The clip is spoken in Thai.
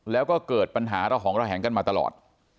แล้วก็เกิดปัญหาระหองระแหงกันมาตลอด